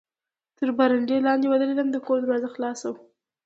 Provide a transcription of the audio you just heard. تر برنډې لاندې و درېدم، د کور دروازه خلاصه وه.